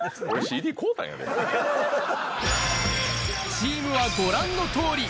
チームはご覧の通り。